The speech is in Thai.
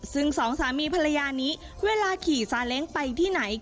ซึ่งสองสามีภรรยานี้เวลาขี่ซาเล้งไปที่ไหน